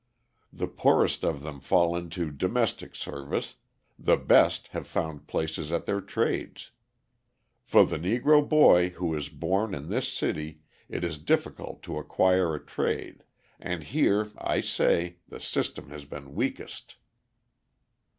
The poorest of them fall into domestic service; the best have found places at their trades. For the Negro boy who is born in this city it is difficult to acquire a trade, and here, I say, the system has been weakest."